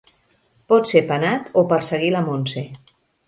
Pot ser penat o perseguir la Montse.